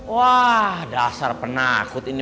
wah dasar penakut ini